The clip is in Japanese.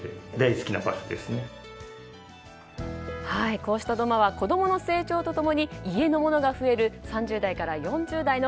こうした土間は子供の成長と共に家のものが増える３０代から４０代の